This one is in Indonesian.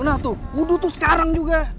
nah tuh udah tuh sekarang juga